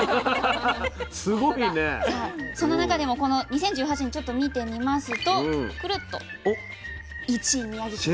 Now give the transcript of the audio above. その中でもこの２０１８年ちょっと見てみますと１位宮城県。